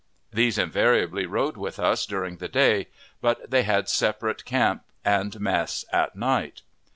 These invariably rode with us during the day, but they had a separate camp and mess at night.